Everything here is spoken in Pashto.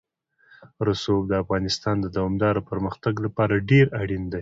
رسوب د افغانستان د دوامداره پرمختګ لپاره ډېر اړین دي.